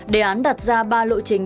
đề án đặt ra ba lộ trình